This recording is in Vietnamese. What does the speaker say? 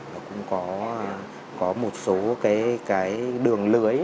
nó cũng có một số cái đường lưới